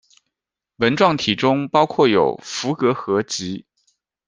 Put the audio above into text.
纹状体中包括有伏隔核及。